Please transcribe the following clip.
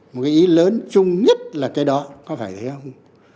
một cái ý lớn chung nhất là cái đó có phải không